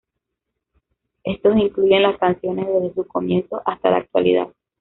Estos incluyen las canciones desde sus comienzos hasta la actualidad.